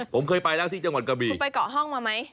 ผมเคยไปเนื่องที่จังหวัดกะบีไปเกาะฮ่องมาไหม